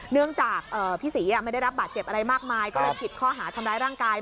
เนื่องจากพี่ศรีไม่ได้รับบาดเจ็บอะไรมากมายก็เลยผิดข้อหาทำร้ายร่างกาย